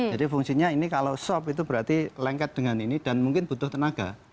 jadi fungsinya ini kalau soft itu berarti lengket dengan ini dan mungkin butuh tenaga